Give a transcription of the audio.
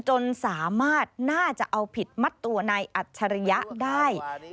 จนสามารถน่าจะเอาผิดมัดตัวนายอัจฉริยะได้